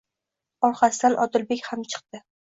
Orqasidan Odilbek ham chikdi: